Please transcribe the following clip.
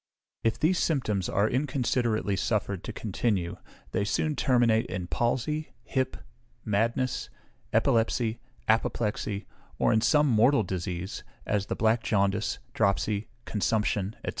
If these symptoms are inconsiderately suffered to continue, they soon terminate in palsy, hip, madness, epilepsy, apoplexy, or in some mortal disease, as the black jaundice, dropsy, consumption, &c.